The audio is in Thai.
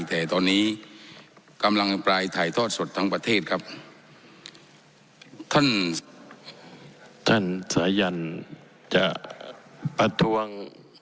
แต่ตอนนี้กำลังอภิปรายถ่ายทอดสดทั้งประเทศครับท่านท่านสายันจะประท้วง